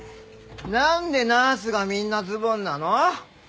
なんでナースがみんなズボンなの？